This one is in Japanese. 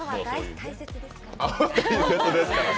大切ですからね。